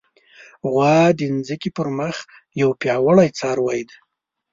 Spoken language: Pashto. غوا د ځمکې پر مخ یو پیاوړی څاروی دی.